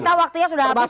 kita waktunya sudah habis